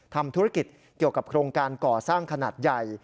ทำธุรกิจเกี่ยวกับโครงการก่อสร้างขนาดใหญ่